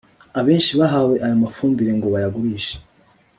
abenshi bahawe ayo mafumbire ngo bayagurishe